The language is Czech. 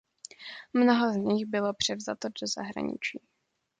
Mnoho z nich bylo převzato do zahraničí.